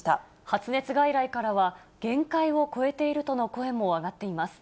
発熱外来からは、限界を超えているとの声も上がっています。